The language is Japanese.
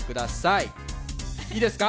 いいですか？